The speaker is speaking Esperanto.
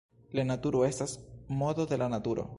La naturo estas modo de la Naturo.